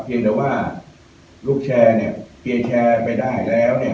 เพียงแต่ว่าลูกแชร์เปลี่ยนแชร์ไปได้แล้ว